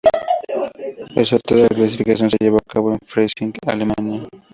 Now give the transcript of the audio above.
El sorteo de la clasificación se llevo a cabo en Freising, Alemania.